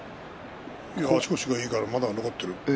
足腰がいいからまだ残っている。